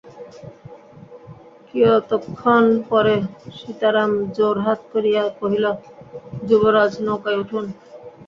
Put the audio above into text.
কিয়ৎক্ষণ পরে সীতারাম জোড়হাত করিয়া কহিল, যুবরাজ, নৌকায় উঠুন।